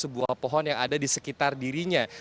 sebuah pohon yang ada di sekitar dirinya